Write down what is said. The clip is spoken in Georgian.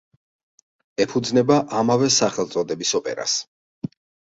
ეფუძნება ამავე სახელწოდების ოპერას.